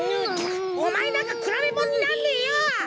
おまえなんかくらべもんになんねえよ！